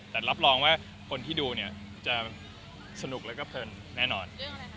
แต่รับรองว่าคนที่ดูเนี่ยจะสนุกแล้วก็เพลินแน่นอน